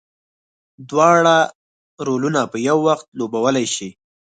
دواړه رولونه په یو وخت لوبولی شي.